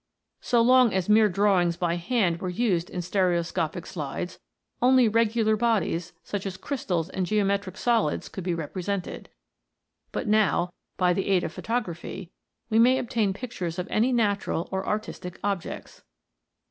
So long as mere drawings by hand were used as stereoscopic slides, only regular bodies, such as crystals and geometric solids, could be represented ; but now, by the aid of photography, we may obtain pictures of any natural or artistic objects.